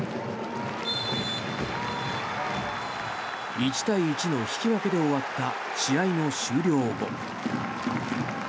１対１の引き分けで終わった試合の終了後。